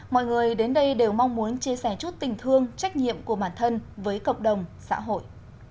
mọi người đến đây đều mong muốn chia sẻ chút tình thương trách nhiệm của bản thân với cộng đồng xã hội